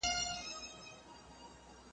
په زاریو ننواتو سوه ګویانه .